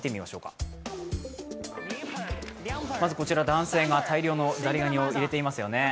男性が大量のザリガニを入れていますよね。